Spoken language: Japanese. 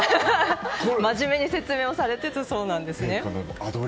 真面目に説明をされていたそうなんですね。